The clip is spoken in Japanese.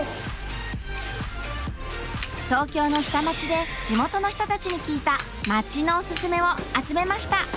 東京の下町で地元の人たちに聞いた街のおすすめを集めました！